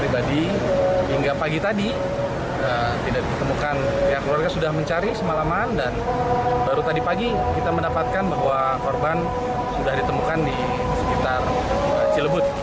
hingga pagi tadi tidak ditemukan pihak keluarga sudah mencari semalaman dan baru tadi pagi kita mendapatkan bahwa korban sudah ditemukan di sekitar cilebut